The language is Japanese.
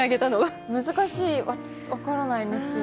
難しい、分からないんですけれど。